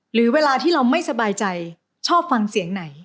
หรือเวลาที่เราไม่สบายใจชอบฟังเสียงไหน